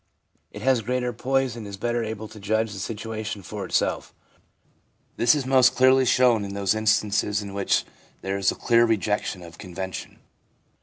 It has greater poise and is better able to judge the situation for itself. This is most clearly shown in those instances in which there is a clear rejection of convention.